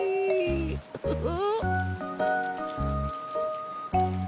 ウフフ。